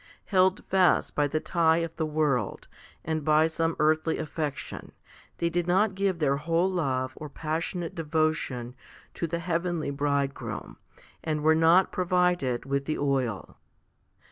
Held fast by the tie of the world, and by some earthly affection, they did not give their whole love or passionate devotion to the heavenly Bride groom, and were not provided with the oil.